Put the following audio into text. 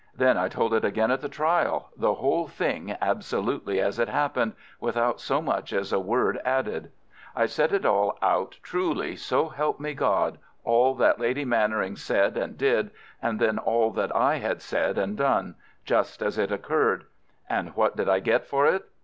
Then I told it again at the trial—the whole thing absolutely as it happened, without so much as a word added. I set it all out truly, so help me God, all that Lady Mannering said and did, and then all that I had said and done, just as it occurred. And what did I get for it?